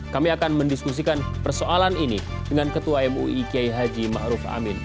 kami akan mendiskusikan persoalan ini dengan ketua mui kiai haji ma'ruf amin